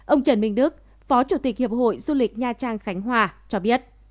ông trần minh đức phó chủ tịch hiệp hội du lịch nha trang khánh hòa cho biết